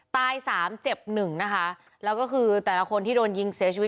ตายสามเจ็บหนึ่งนะคะแล้วก็คือแต่ละคนที่โดนยิงเสียชีวิต